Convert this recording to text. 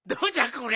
これ。